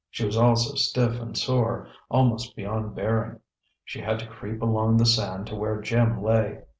She was also stiff and sore, almost beyond bearing. She had to creep along the sand to where Jim lay.